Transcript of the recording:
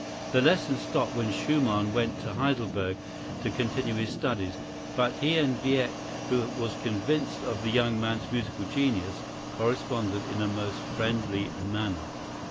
The lessons stopped when Schumann went to Heidelberg to continue his studies, but he and Wieck, who was convinced of the young man's musical genius, corresponded in a most friendly manner.